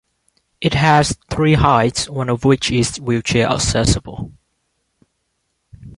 It has three hides, one of which is wheelchair-accessible.